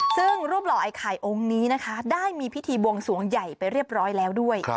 ซึ่งรูปหล่อไอ้ไข่องค์นี้นะคะได้มีพิธีบวงสวงใหญ่ไปเรียบร้อยแล้วด้วย